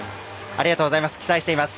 ありがとうございます。